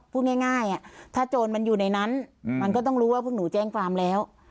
พูดง่ายถ้าโจรมันอยู่ในนั้นมันก็ต้องรู้ว่าพวกหนูแจ้งความแล้ว